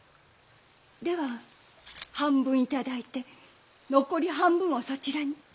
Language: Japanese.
では半分頂いて残り半分をそちらに。